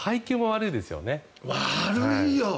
悪いよ。